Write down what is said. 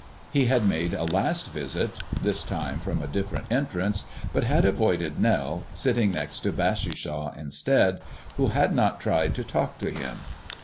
He had made a last visit this time from a different entrance but had avoided Nell, sitting next to Bassishaw instead, who had not tried to talk to him.